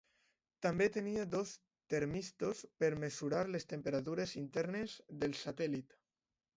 També tenia dos termistors per mesurar les temperatures internes del satèl·lit.